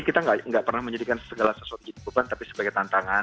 kita nggak pernah menjadikan segala sesuatu menjadi beban tapi sebagai tantangan